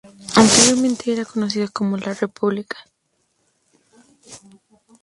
Anteriormente era conocida como "La República".